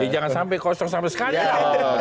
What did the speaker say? jangan sampai kosong sampai skandal